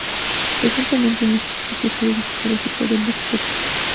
Recientemente inició su propio sello discográfico, Deluxe Records.